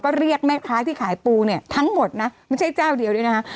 ก็เรียกแม่ค้าที่ขายปูเนี่ยทั้งหมดนะไม่ใช่เจ้าเดียวด้วยนะคะ